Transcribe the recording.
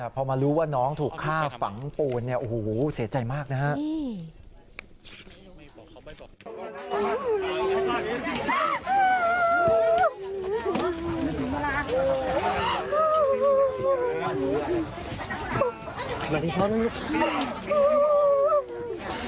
พอมารู้ว่าน้องถูกฆ่าฝังปูนเนี่ยโอ้โหเสียใจมากนะครับ